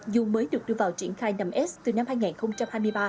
dù mới được đưa vào triển khai năm s từ năm hai nghìn hai mươi ba